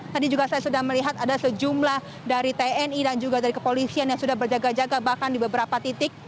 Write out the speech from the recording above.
tadi juga saya sudah melihat ada sejumlah dari tni dan juga dari kepolisian yang sudah berjaga jaga bahkan di beberapa titik